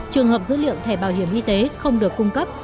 trường hợp dữ liệu thẻ bảo hiểm y tế không được cung cấp